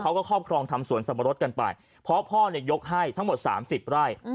เขาก็ครอบครองทำสวนสมรสกันไปเพราะพ่อยกให้ทั้งหมด๓๐ไร่